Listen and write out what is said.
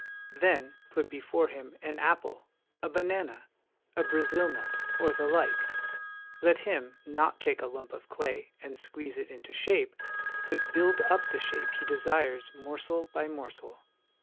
Then put before him an apple, a banana, a Brazil nut, or the like ; let him, not take a lump of clay and squeeze it into shape, but build up the shape he desires morsel by morsel.